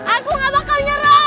aku gak bakal nyerah